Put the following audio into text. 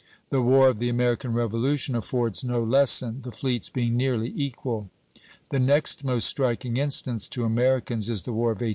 The War of the American Revolution affords no lesson, the fleets being nearly equal. The next most striking instance to Americans is the War of 1812.